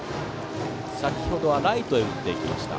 先程はライトへ打っていきました。